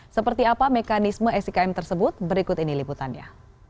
seperti apa mekanisme sikm tersebut berikut ini liputannya